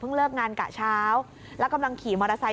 เลิกงานกะเช้าแล้วกำลังขี่มอเตอร์ไซค